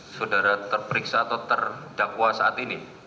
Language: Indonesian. saudara terperiksa atau terdakwa saat ini